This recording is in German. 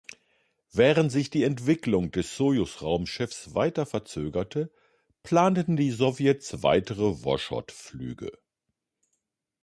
Während sich die Entwicklung des Sojus-Raumschiffs weiter verzögerte, planten die Sowjets weitere Woschod-Flüge.